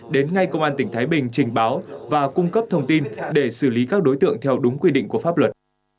đến ngay công an tỉnh thái bình trình báo và cung cấp thông tin để xử lý các đối tượng theo đúng quy định của pháp luật